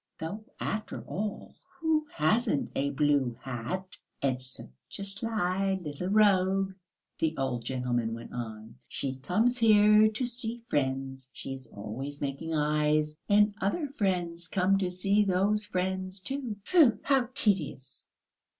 "Though, after all, who hasn't a blue hat?" "And such a sly little rogue," the old gentleman went on "She comes here to see friends. She is always making eyes. And other friends come to see those friends too...." "Foo! how tedious!"